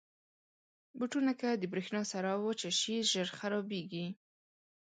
بوټونه که د برېښنا سره وچه شي، ژر خرابېږي.